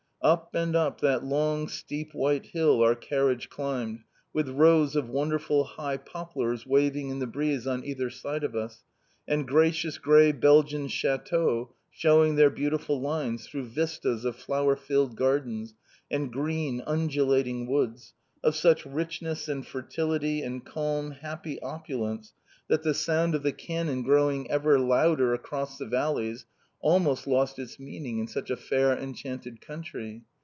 Up and up that long steep white hill our carriage climbed, with rows of wonderful high poplars waving in the breeze on either side of us, and gracious grey Belgian châteaux shewing their beautiful lines through vistas of flower filled gardens, and green undulating woods, of such richness, and fertility, and calm happy opulence, that the sound of the cannon growing ever louder across the valleys almost lost its meaning in such a fair enchanted country.